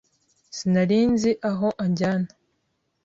Sinari nzi aho anjyana